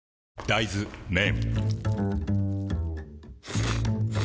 大豆麺